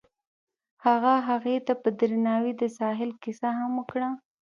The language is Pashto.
هغه هغې ته په درناوي د ساحل کیسه هم وکړه.